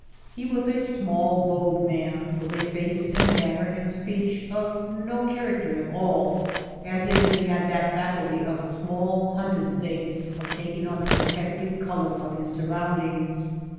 He was a small, bowed man, with a face and manner and speech of no character at all, as if he had that faculty of small hunted things of tak ing on the protective color of his surround ings.